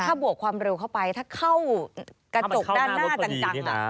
ถ้าบวกความเร็วเข้าไปถ้าเข้ากระจกด้านหน้าจัง